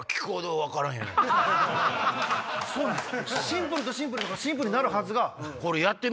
シンプルとシンプルだからシンプルになるはずが。